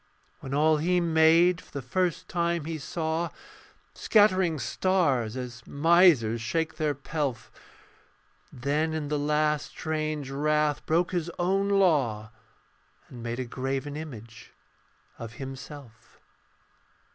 When all He made for the first time He saw, Scattering stars as misers shake their pelf. Then in the last strange wrath broke His own law, And made a graven image of Himself.